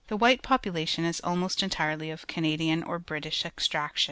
white population is almost entirely of Canadian or British extraction.